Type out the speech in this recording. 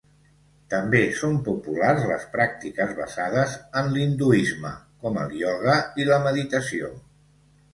També són populars les pràctiques basades en l'hinduisme, com el ioga i la meditació.